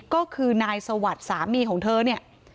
ก็คือนายสวัสดิ์สามีของเธอเนี่ย